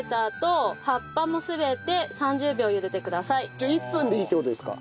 じゃあ１分でいいって事ですか？